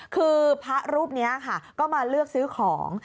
คือพระรูปนี้ค่ะก็มาเลือกซื้อของ